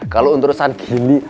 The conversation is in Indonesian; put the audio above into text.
kalo untuk san gili